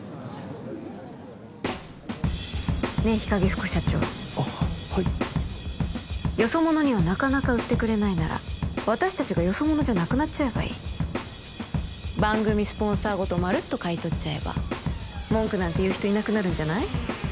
副社長あっはいよそ者にはなかなか売ってくれないなら私達がよそ者じゃなくなっちゃえばいい番組スポンサーごとまるっと買い取っちゃえば文句なんて言う人いなくなるんじゃない？